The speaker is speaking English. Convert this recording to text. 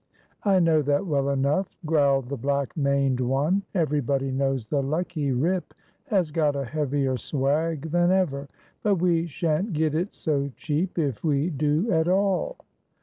"I know that well enough," growled the black maned one, "everybody knows the lucky rip has got a heavier swag than ever, but we shan't get it so cheap, if we do at all."